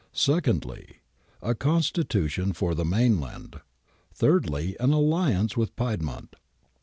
Secondly, a Constitution for the mainland. Thirdly, an alliance with Piedmont.